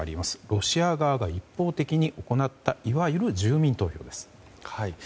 ロシア側が一方的に行ったいわゆる住民投票です。